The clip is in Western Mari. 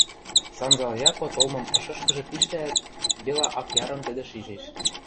Санзал Яко толмым ышышкыжы пиштӓӓт, дела акъярым тӹдӹ шижеш.